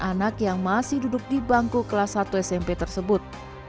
anak yang masih duduk di bangku kelas satu smp tersebut